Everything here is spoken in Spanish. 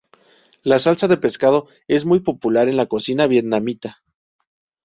La salsa de pescado es muy popular en la cocina vietnamita.